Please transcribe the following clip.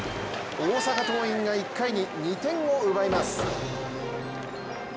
大阪桐蔭が１回に２点を奪います。